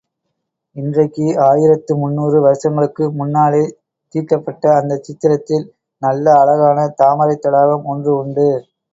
இன்றைக்கு ஆயிரத்து முந்நூறு வருஷங்களுக்கு முன்னாலே தீட்டப்பட்ட அந்தச் சித்திரத்தில் நல்ல அழகான தாமரைத் தடாகம் ஒன்று உண்டு.